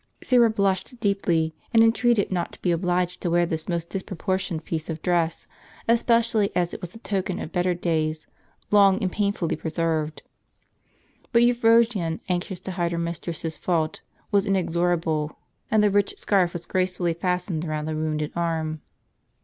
Syra blushed deeply, and entreated not to be obliged to wear this most dis proportioned piece of dress, especially as it was a token of better days, long and painfully preserved. But Euphrosyne, anxious to hide her mistress's fault, was inexorable; and the ricli scarf was gracefully fastened round the wounded arm.